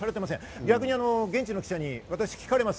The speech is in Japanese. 逆に現地の記者に私、聞かれます。